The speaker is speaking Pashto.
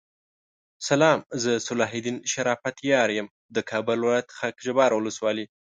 سلام زه صلاح الدین شرافت یار یم دکابل ولایت خاکحبار ولسوالی